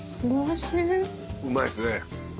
うまいっすね。